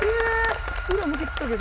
裏向けてたけど。